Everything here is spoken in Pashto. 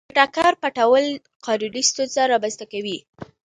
د ټکر پټول قانوني ستونزه رامنځته کوي.